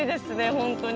本当に。